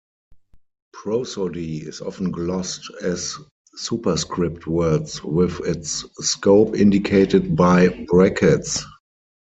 Prosody is often glossed as superscript words, with its scope indicated by brackets.